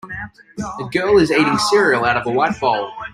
A girl is eating cereal out of a white bowl.